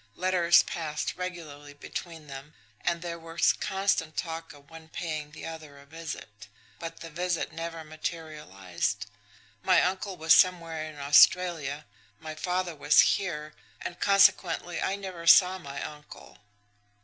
Letters passed regularly between them, and there was constant talk of one paying the other a visit but the visit never materialised. My uncle was somewhere in Australia, my father was here, and consequently I never saw my uncle.